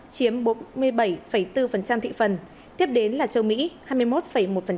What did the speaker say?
chiếm bốn mươi bảy bốn thị phần tiếp đến là châu mỹ hai mươi một một